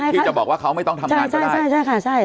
ที่จะบอกว่าเขาไม่ต้องทำงานก็ได้